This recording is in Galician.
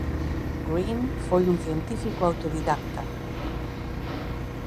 Green foi un científico autodidacta.